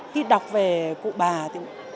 khi đọc về cụ bà thì